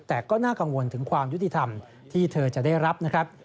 แต่ก็น่ากังวลถึงความยุติธรรมที่เธอจะได้รับนะครับ